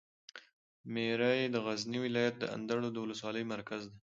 میری د غزني ولایت د اندړو د ولسوالي مرکز ده.